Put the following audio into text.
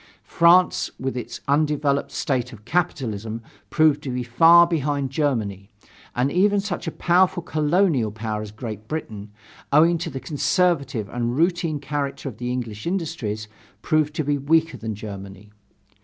France, with its undeveloped state of capitalism, proved to be far behind Germany, and even such a powerful colonial power as Great Britain, owing to the conservative and routine character of the English industries, proved to be weaker than Germany.